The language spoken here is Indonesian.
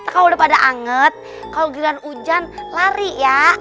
kalo udah pada anget kalo giliran hujan lari ya